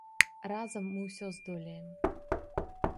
Разам мы ўсё здолеем.